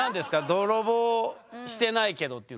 「泥棒してないけど」っていうのは。